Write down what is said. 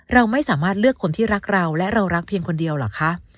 เราไม่สามารถเลือกคนที่รักเราและเรารักเพียงคนเดียวเหรอคะ